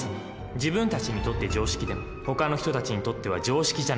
自分たちにとって常識でもほかの人たちにとっては常識じゃない事もあるんです。